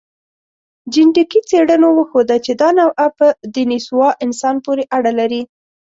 جنټیکي څېړنو وښوده، چې دا نوعه په دنیسووا انسان پورې اړه لري.